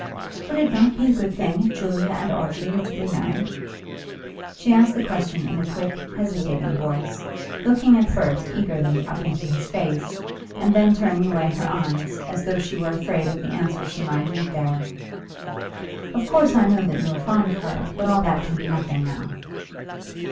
"Would it not be a good thing if Julia and Archie were to be married?" She asked the question in a quick, hesitating voice, looking at first eagerly up into his face, and then turning away her eyes, as though she were afraid of the answer she might read there. "Of course I know that you were fond of her, but all that can be nothing now."